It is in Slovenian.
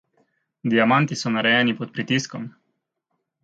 Diamanti so narejeni pod pritiskom.